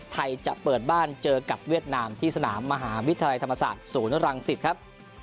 จะเปิดบ้านเจอกับเวียดนามที่สนามมหาวิทยาลัยธรรมศาสตร์ศูนย์รังสิตครับ